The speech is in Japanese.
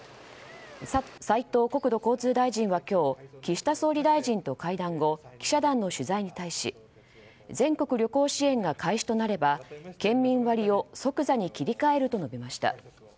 斉藤国土交通大臣は今日、岸田総理大臣と会談後記者団の取材に対し全国旅行支援が開始となれば県民割を即座に切り替えると述べました。